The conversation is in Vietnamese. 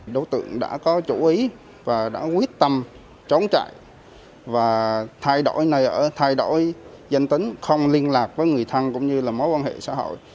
đối tượng đã có chú ý và đã quyết tâm trốn chạy và thay đổi nơi ở thay đổi danh tính không liên lạc với người thân cũng như là mối quan hệ xã hội